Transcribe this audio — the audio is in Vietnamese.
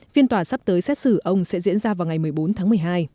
phiên tòa sắp tới xét xử ông sẽ diễn ra vào ngày một mươi bốn tháng một mươi hai